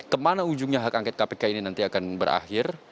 kemana ujungnya hak angket kpk ini nanti akan berakhir